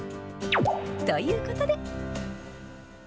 ということで。